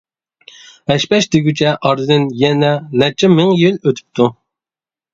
ھەش-پەش دېگۈچە ئارىدىن يەنە نەچچە مىڭ يىل ئۆتۈپتۇ.